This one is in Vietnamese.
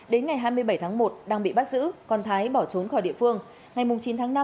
đến ngày hai mươi bảy tháng một đang bị bắt giữ còn thái bỏ trốn khỏi địa phương ngày chín tháng năm